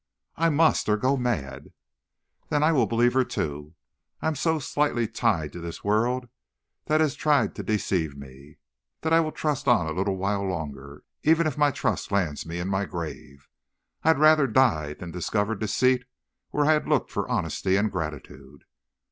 "'I must or go mad.' "'Then I will believe her, too. I am so slightly tied to this world that has deceived me, that I will trust on a little while longer, even if my trust lands me in my grave. I had rather die than discover deceit where I had looked for honesty and gratitude.'